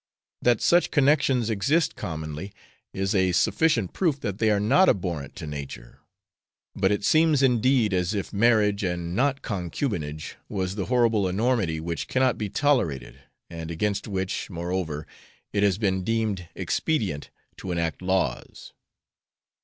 That such connections exist commonly, is a sufficient proof that they are not abhorrent to nature; but it seems, indeed, as if marriage (and not concubinage) was the horrible enormity which cannot be tolerated, and against which, moreover, it has been deemed expedient to enact laws.